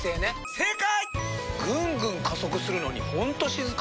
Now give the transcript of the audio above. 正解！